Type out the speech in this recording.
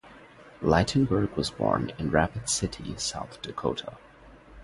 Ligtenberg was born in Rapid City, South Dakota.